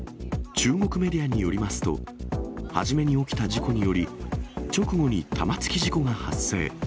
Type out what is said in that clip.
中国メディアによりますと、初めに起きた事故により、直後に玉突き事故が発生。